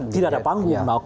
tidak ada panggung